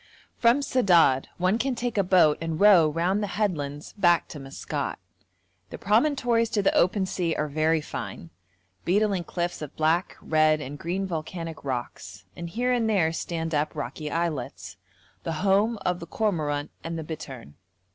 From Sedad one can take a boat and row round the headlands back to Maskat. The promontories to the open sea are very fine: beetling cliffs of black, red, and green volcanic rocks, and here and there stand up rocky islets, the home of the cormorant and the bittern.